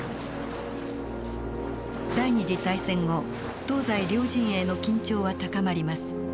第二次大戦後東西両陣営の緊張は高まります。